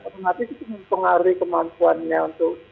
otomatis itu mempengaruhi kemampuannya untuk